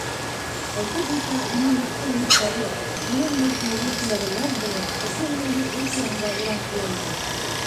Әйтерһең дә, уның яҡты өмөттәре, күренмәҫ нурлы күләгәләр булып, ошо эйәһеҙ өй тирәһендә ураңғылайҙар.